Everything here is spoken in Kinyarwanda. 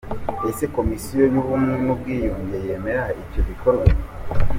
Ese Komisiyo y’Ubumwe n’ubwiyunge yemera icyo gikorwa?.